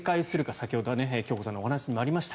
先ほど京子さんのお話にもありました。